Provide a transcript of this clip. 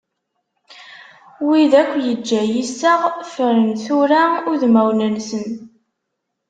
Wid akk yeǧǧa yiseɣ, ffren tura udmawen-nsen.